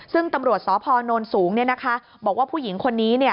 ซึ่งตำรวจสพนสูงบอกว่าผู้หญิงคนนี้